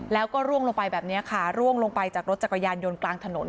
แล้วก็ร่วงลงไปแบบนี้ค่ะร่วงลงไปจากรถจักรยานยนต์กลางถนน